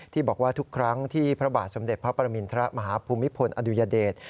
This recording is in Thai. ที่บอกว่าทุกครั้งที่พระบาทสมเด็จพระปรมินทรมาฮภูมิพลอดุญเดช